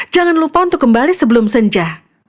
jangan lupa untuk kembali sebelum senja